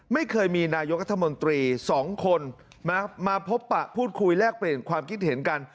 ไม่เคยมีนายกรัฐมนตรี๒คนมาพบปะพูดคุยแลกเปลี่ยนความคิดเห็นกัน